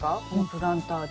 プランターで。